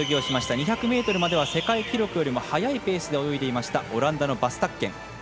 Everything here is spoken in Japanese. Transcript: ２００ｍまでは世界記録より速いペースで泳いでいましたオランダのバス・タッケン。